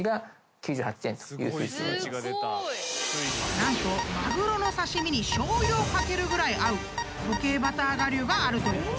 ［何とマグロの刺し身にしょうゆを掛けるぐらい合う固形バター我流があるという］